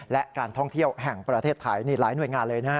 และการท่องเที่ยวแห่งประเทศไทยนี่หลายหน่วยงานเลยนะฮะ